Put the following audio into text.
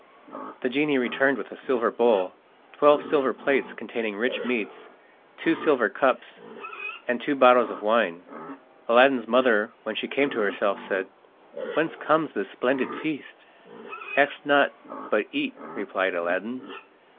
The genie returned with a silver bowl, twelve silver plates containing rich meats, two silver cups, and two bottles of wine. Aladdin's mother, when she came to herself, said: "Whence comes this splendid feast?" "Ask not, but eat," replied Aladdin.